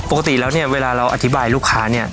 ปกติแล้วเนี่ยเวลาเราอธิบายลูกค้าเนี่ย